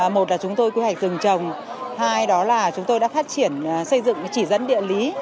một là chúng tôi quy hoạch rừng trồng hai đó là chúng tôi đã phát triển xây dựng chỉ dẫn địa lý